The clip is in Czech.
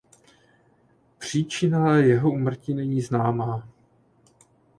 Příčina jejího úmrtí není známa.